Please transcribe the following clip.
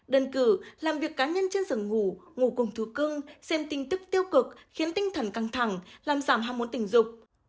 đơn cử làm việc cá nhân trên giường ngủ ngủ cùng thú cưng xem tin tức tiêu cực khiến tinh thần căng thẳng làm giảm ham muốn tình dục